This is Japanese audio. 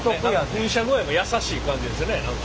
噴射具合も優しい感じですね何かね。